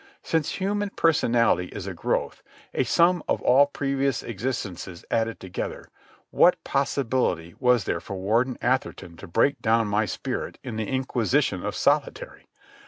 Since human personality is a growth, a sum of all previous existences added together, what possibility was there for Warden Atherton to break down my spirit in the inquisition of solitary?